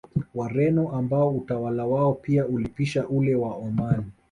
Wareno ambao utawala wao pia ulipisha ule wa Omani